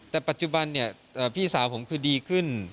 แต่ปัจจุบันเนี่ยพี่สาวผมคือดีขึ้น